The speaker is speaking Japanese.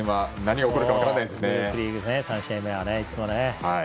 グループリーグ３試合目はいつもね。